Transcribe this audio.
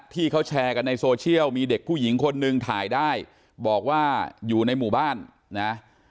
ที่เขาแชร์กันในโซเชียลมีเด็กผู้หญิงคนนึงถ่ายได้บอกว่าอยู่ในหมู่บ้านนะ